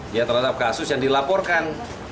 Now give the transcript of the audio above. dia terhadap kasus yang dilaporkan